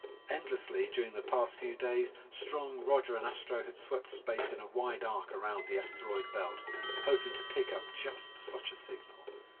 Endlessly, during the past few days, Strong, Roger, and Astro had swept space in a wide arc around the asteroid belt, hoping to pick up just such a signal.